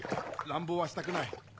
乱暴はしたくない。